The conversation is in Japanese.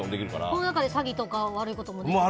この中で詐欺とか悪いこともできるもんね。